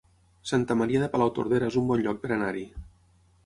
Santa Maria de Palautordera es un bon lloc per anar-hi